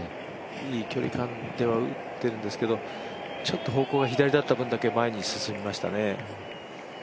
いい距離感では打ってるんですけれどもちょっと方向が左だった分だけ前に進みましたね。